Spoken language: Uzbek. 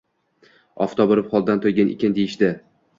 Oftob urib, holdan toygan ekan, deyishdi.